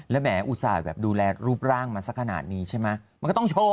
แล้วแหมอุตส่าห์แบบดูแลรูปร่างมาสักขนาดนี้ใช่ไหมมันก็ต้องโชว์